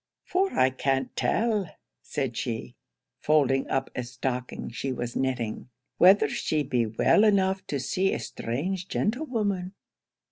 'For I can't tell,' said she, (folding up a stocking she was knitting) 'whether she be well enough to see a strange gentlewoman.